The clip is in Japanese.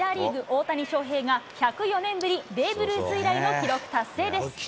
大谷翔平が、１０４年ぶり、ベーブ・ルース以来の記録達成です。